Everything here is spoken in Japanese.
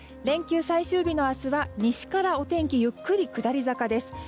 連休最終日の明日は西からお天気ゆっくり下り坂です。